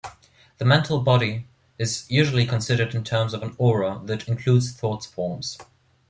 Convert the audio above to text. The mental body is usually considered in terms of an aura that includes thoughtforms.